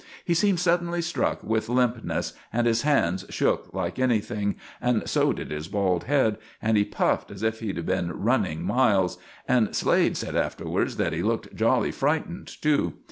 He seemed suddenly struck with limpness, and his hands shook like anything, and so did his bald head; and he puffed as if he'd been running miles; and Slade said afterwards that he looked jolly frightened too.